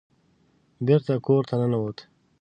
بېرته کور ته ننوت.